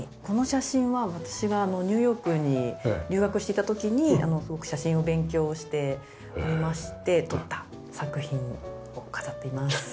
この写真は私がニューヨークに留学していた時にすごく写真を勉強していまして撮った作品を飾っています。